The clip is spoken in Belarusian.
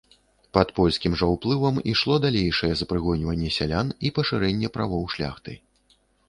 Пад польскім жа ўплывам ішло далейшае запрыгоньванне сялян і пашырэнне правоў шляхты.